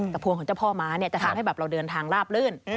กระพวงของเจ้าพ่อม้าจะถามให้เราเดินทางลาบลื่น